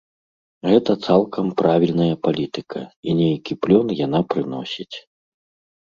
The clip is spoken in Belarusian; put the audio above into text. Гэта цалкам правільная палітыка, і нейкі плён яна прыносіць.